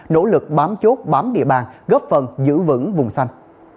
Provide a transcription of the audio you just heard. nỗ lực bám chốt bám địa bàn góp phần giữ vững vùng xanh